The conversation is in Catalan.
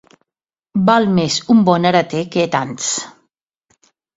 Val més un bon hereter que tants.